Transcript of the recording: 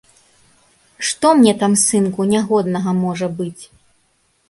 Што мне там, сынку, нягоднага можа быць?